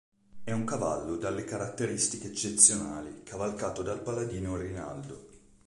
È un cavallo dalle caratteristiche eccezionali, cavalcato dal paladino Rinaldo.